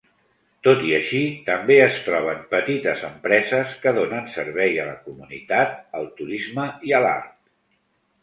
Tot i així, també es troben petites empreses que donen servei a la comunitat, al turisme i a l'art.